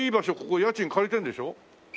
ここ家賃借りてるんでしょ？